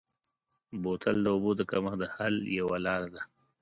بوتل د اوبو د کمښت د حل یوه لاره ده.